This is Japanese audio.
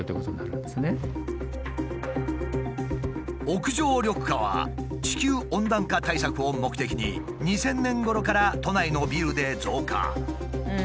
屋上緑化は地球温暖化対策を目的に２０００年ごろから都内のビルで増加。